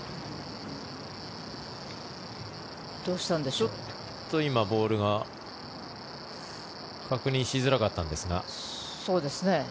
ちょっとボールが今確認しづらかったんですが。